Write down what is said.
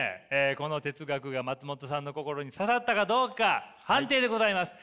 この哲学が松本さんの心に刺さったかどうか判定でございます。